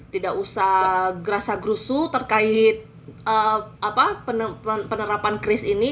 tidak usah gerasa gerusu terkait penerapan kris ini